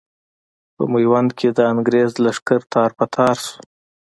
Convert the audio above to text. په ميوند کې د انګرېز لښکر تار په تار شو.